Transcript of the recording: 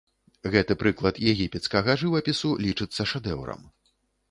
Гэты прыклад егіпецкага жывапісу лічыцца шэдэўрам.